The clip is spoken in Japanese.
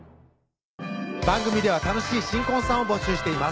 番組では楽しい新婚さんを募集しています